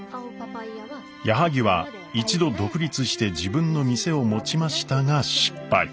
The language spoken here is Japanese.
矢作は一度独立して自分の店を持ちましたが失敗。